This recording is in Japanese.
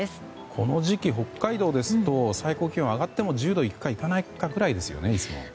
この時期、北海道ですと最高気温、上がっても１０度いくかいかないかくらいですよね、いつも。